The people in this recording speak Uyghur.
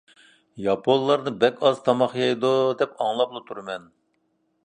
ياپونلارنى بەك ئاز تاماق يەيدۇ دەپ ئاڭلاپلا تۇرىمەن.